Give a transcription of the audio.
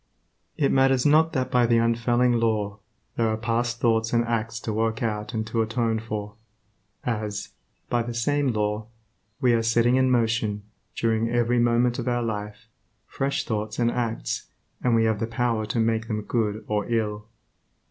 It matters not that by the unfailing Law, there are past thoughts and acts to work out and to atone for, as, by the same law, we are setting in motion, during every moment of our life, fresh thoughts and acts, and we have the power to make them good or ill.